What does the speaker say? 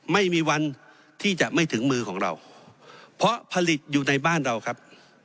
ไม่มีวันที่จะไม่ถึงมือของเราเพราะผลิตอยู่ในบ้านเราครับ